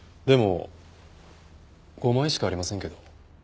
でも５枚しかありませんけど。